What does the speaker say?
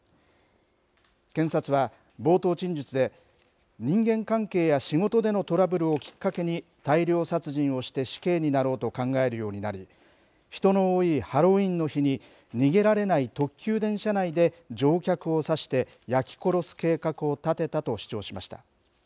検察は、冒頭陳述で、人間関係や仕事でのトラブルをきっかけに大量殺人をして死刑になろうと考えるようになり、人の多いハロウィーンの日に逃げられない特急電車内で乗客を刺して、焼き殺す計画を立てたと主張しました。